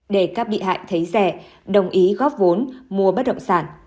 để các bị hại thấy rẻ đồng ý góp vốn mua bất động sản